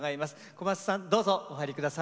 小松さんどうぞお入り下さい。